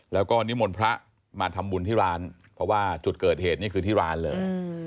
แล้วก็นิมนต์พระมาทำบุญที่ร้านเพราะว่าจุดเกิดเหตุนี่คือที่ร้านเลย